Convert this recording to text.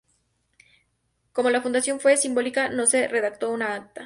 Como la fundación fue simbólica no se redactó una acta.